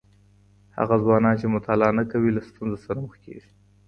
هغه ځوانان چي مطالعه نه کوي، له ستونزو سره مخ کیږي.